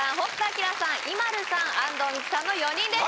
ＩＭＡＬＵさん安藤美姫さんの４人です